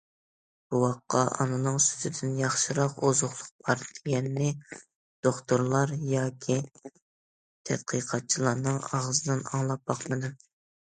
بوۋاققا ئانىنىڭ سۈتىدىن ياخشىراق ئوزۇقلۇق بار، دېگەننى دوختۇرلار ياكى تەتقىقاتچىلارنىڭ ئاغزىدىن ئاڭلاپ باقمىدىم.